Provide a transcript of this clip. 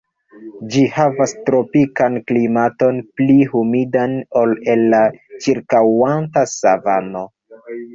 Ĝi havas tropikan klimaton, pli humidan ol en la ĉirkaŭanta savano.